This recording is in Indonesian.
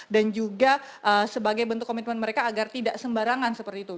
juga sebagai bentuk komitmen mereka agar tidak sembarangan seperti itu